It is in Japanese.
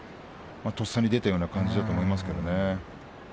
とっさに出たような感じだと思います。